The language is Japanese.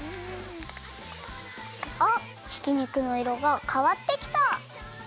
あっひき肉のいろがかわってきた！